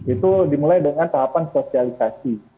itu dimulai dengan tahapan sosialisasi